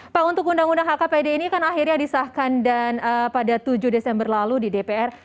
pak untuk undang undang hkpd ini kan akhirnya disahkan dan pada tujuh desember lalu di dpr